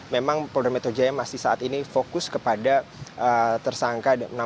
memang polda metro jaya masih saat ini fokus kepada tersangka